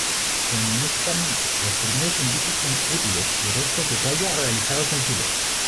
Cronológicamente, los primeros indicios son útiles y restos de talla realizados en sílex.